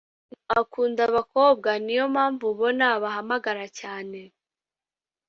akunda abakobwa niyompamvu ubona abahamagara cyane